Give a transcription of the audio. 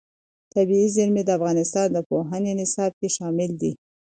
طبیعي زیرمې د افغانستان د پوهنې نصاب کې شامل دي.